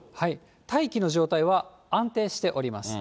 大気の状態は安定しております。